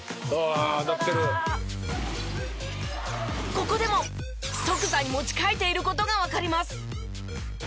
ここでも即座に持ち替えている事がわかります。